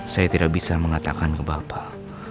saya tidak bisa mengatakan ke bapak